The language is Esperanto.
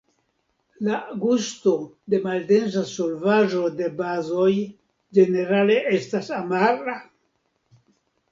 La gusto de maldensa solvaĵo de bazoj ĝenerale estas amara.